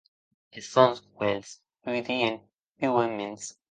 Es sòns uelhs ludien viuaments.